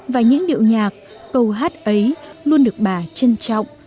và những điệu nhạc câu hát ấy luôn được bà trân trọng